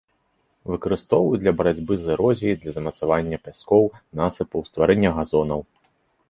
Выкарыстоўваюць для барацьбы з эрозіяй, для замацавання пяскоў, насыпаў, стварэння газонаў.